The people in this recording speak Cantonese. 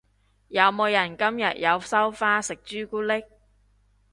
有冇人今日有收花食朱古力？